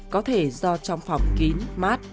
có thể do trong phòng kín mát